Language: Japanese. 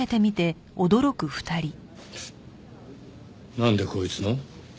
なんでこいつの？